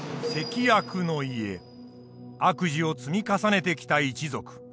悪事を積み重ねてきた一族。